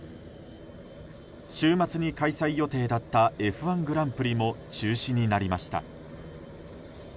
週末に開催予定だったＦ１グランプリも中止になりました。